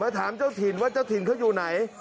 ถามเจ้าถิ่นว่าเจ้าถิ่นเขาอยู่ไหน